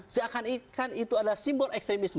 seakan akan itu adalah simbol ekstremisme